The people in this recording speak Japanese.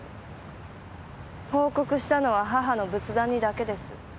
報告したのは母の仏壇にだけです。